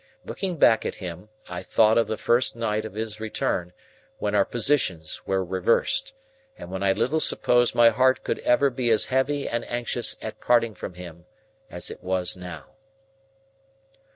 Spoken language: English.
Looking back at him, I thought of the first night of his return, when our positions were reversed, and when I little supposed my heart could ever be as heavy and anxious at parting from him as it was now.